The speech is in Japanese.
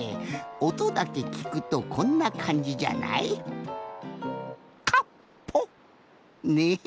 おとだけきくとこんなかんじじゃない？ねえ？